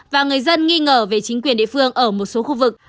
và người dân nghi ngờ về chính quyền địa phương ở một số khu vực